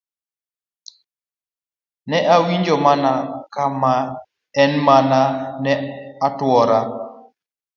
Ne awinjo mana kama an ema ne atwora.